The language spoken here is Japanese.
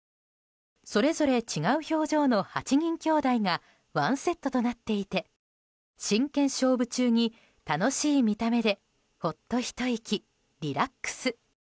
それぞれ違う表情の８人兄弟が１セットとなっていて真剣勝負中に楽しい見た目でほっとひと息、リラックス。